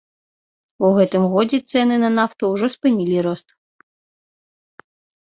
У гэтым годзе цэны на нафту ўжо спынілі рост.